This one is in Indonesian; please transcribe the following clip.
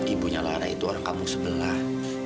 ibunya lara itu orang kampung sebelah